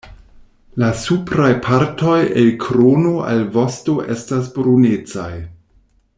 La supraj partoj el krono al vosto estas brunecaj.